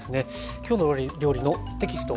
「きょうの料理」のテキスト